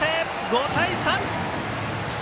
５対３！